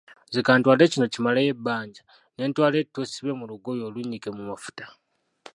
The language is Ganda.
Nze ka ntwale kino kimaleyo ebbanja, ne ntwala ettu essibe mu lugoye olunnyike mu mafuta.